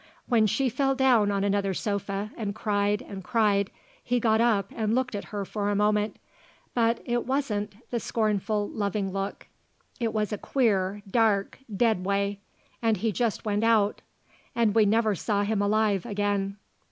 When she fell down on another sofa and cried and cried, he got up and looked at her for a moment; but it wasn't the scornful, loving look; it was a queer, dark, dead way. And he just went out. And we never saw him alive again.